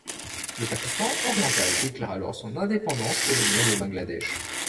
Le Pakistan oriental déclare alors son indépendance pour devenir le Bangladesh.